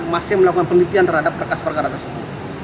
masih melakukan penelitian terhadap berkas perkara tersebut